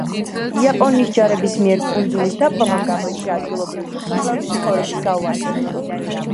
იაპონიის ჯარების მიერ კუნძულის დაპყრობამ გამოიწვია ადგილობრივი მოსახლეობის ცხოვრების გაუარესება.